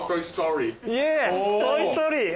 イエス『トイ・ストーリー』